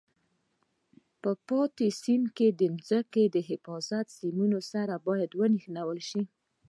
یو پاتې سیم د ځمکې له حفاظتي سیم سره باید ونښلول شي.